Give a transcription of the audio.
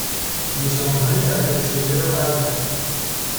نشانی های ذخیره شده را حذف کن